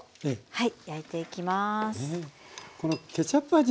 はい。